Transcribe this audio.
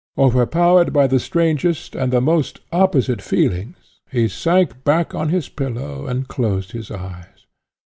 Overpowered by the strangest and the most opposite feelings, he sank back upon his pillow and closed his eyes.